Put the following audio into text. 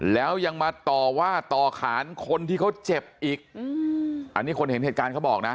แล้วยังมาต่อว่าต่อขานคนที่เขาเจ็บอีกอันนี้คนเห็นเหตุการณ์เขาบอกนะ